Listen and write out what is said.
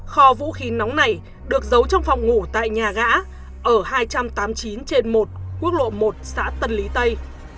kho vũ khí nóng này được giấu trong phòng ngủ tại nhà ga ở hai trăm tám mươi chín trên một quốc lộ một xã tân lý tây